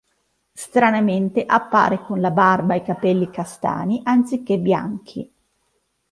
Stranamente appare con la barba e i capelli castani, anziché bianchi.